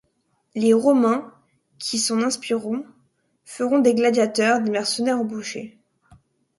Les Romains, qui s'en inspireront, feront des gladiateurs, des mercenaires embauchés.